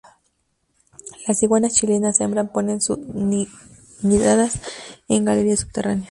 Las iguanas chilenas hembra ponen sus nidadas en galerías subterráneas.